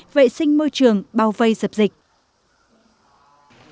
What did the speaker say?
vệ sinh môi trường bao vây dập dịch